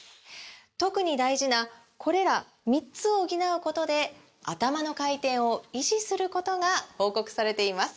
特に大事なこれら３つを補うことでアタマの回転を維持することが報告されています